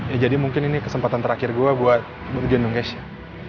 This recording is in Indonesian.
ya jadi mungkin ini kesempatan terakhir gue buat join indonesia